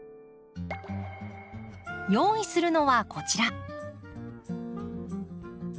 用意するのはこちら。